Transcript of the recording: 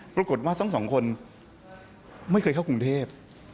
ปรากฏว่าทั้งสองคนไม่เคยเข้ากรุงเทพ